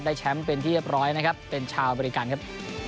แชมป์เป็นที่เรียบร้อยนะครับเป็นชาวอเมริกันครับ